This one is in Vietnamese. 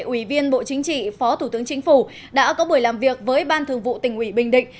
ủy viên bộ chính trị phó thủ tướng chính phủ đã có buổi làm việc với ban thường vụ tỉnh ủy bình định